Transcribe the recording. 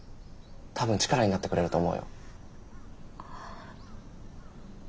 多分力になってくれると思うよ。